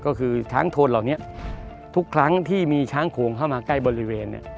ก็คือช้างโทนเหล่านี้ทุกครั้งที่มีช้างโขงเข้ามาใกล้บริเวณเนี่ย